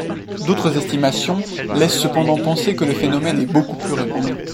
D'autres estimations laissent cependant penser que le phénomène est beaucoup plus répandu.